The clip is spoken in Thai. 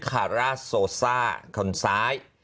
คาร่าโซซ่าคนซ้าย